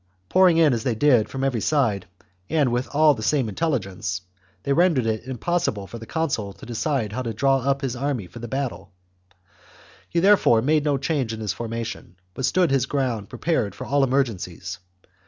Pouring chap. in, as they did, from every side, and all with the same intelligence, they rendered it impossible for the consul to decide how to draw up his army for the battle ; he therefore made no change in his formation, but stood his ground prepared for all emergencies.